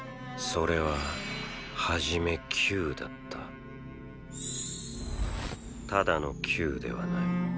それははじめ球だったただの球ではない。